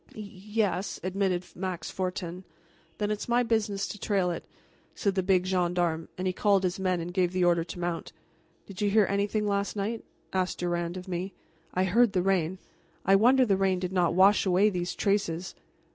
"Ye es," admitted Max Fortin. "Then it's my business to trail it," said the big gendarme, and he called his men and gave the order to mount. "Did you hear anything last night?" asked Durand of me. "I heard the rain. I wonder the rain did not wash away these traces."